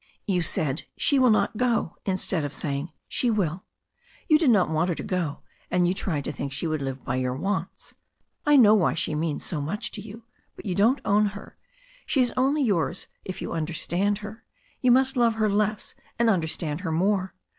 You said, 'She will not go,' instead of saying, 'She will.' You did not want her to go, and you tried to think she would live by your wants. I know why she means so much to you, but you don't own her. She is only yours if you under stand her. You must love her less and understand her more.